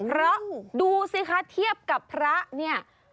เพราะดูสิคะเทียบกับพระเนี่ย